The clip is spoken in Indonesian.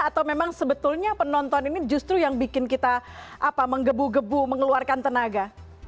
atau memang sebetulnya penonton ini justru yang bikin kita menggebu gebu mengeluarkan tenaga